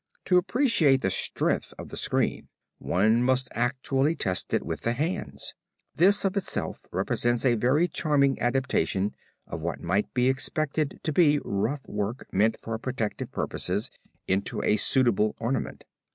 To appreciate the strength of the screen one must actually test it with the hands. This of itself represents a very charming adaptation of what might be expected to be rough work meant for protective purposes into a suitable ornament.